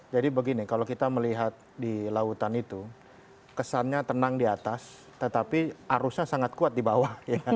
jadi begini kalau kita melihat di lautan itu kesannya tenang di atas tetapi arusnya sangat kuat di bawah